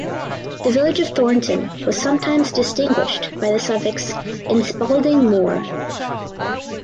The village of Thornton was sometimes distinguished by the suffix "in Spalding Moor".